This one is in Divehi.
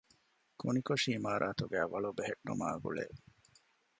ކުނިކޮށި އިމާރާތުގައި ވަޅު ބެހެއްޓުމާގުޅޭ